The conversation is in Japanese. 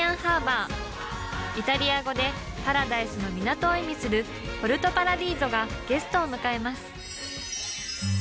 イタリア語で「パラダイスの港」を意味するポルト・パラディーゾがゲストを迎えます。